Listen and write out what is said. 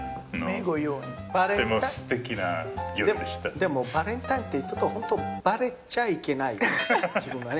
でもバレンタインってホントバレちゃいけない。